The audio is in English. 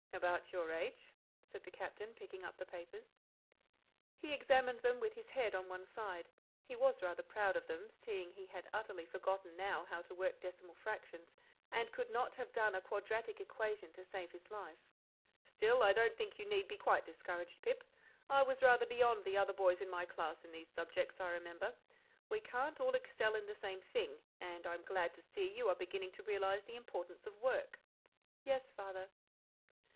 "About your age," said the Captain, picking up the papers. He examined them with his head on one side. He was rather proud of them, seeing he had utterly forgotten now how to work decimal fractions, and could not have done a quadratic equation to save his life. "Still, I don't think you need be quite discouraged, Pip. I was rather beyond the other boys in my class in these subjects, I remember. We can't all excel in the same thing, and I'm glad to see you are beginning to realize the importance of work." "Yes, Father."